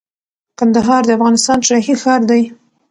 کندهار د افغانستان شاهي ښار دي